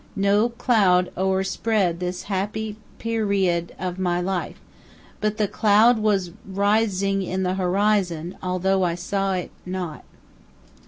No cloud o'er spread this happy pe ri od of my life. But the cloud was ri sing in the horizon although I saw it not.